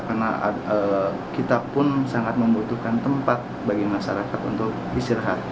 karena kita pun sangat membutuhkan tempat bagi masyarakat untuk istirahat